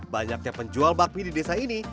banyaknya penjual bakmi di desa ini